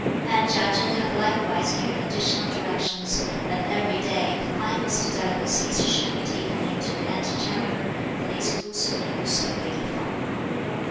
And Chia Lien had likewise given additional directions that every day the finest delicacies should be taken into the ante chamber, for the exclusive use of lady Feng.